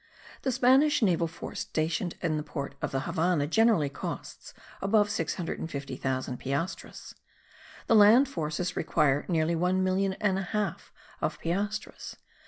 The Spanish naval force stationed in the port of the Havannah generally costs above 650,000 piastres. The land forces require nearly one million and a half of piastres.